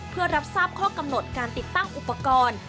เพื่อรับทราบข้อกำหนดการติดตั้งอุปกรณ์